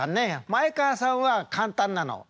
前川さんは簡単なの。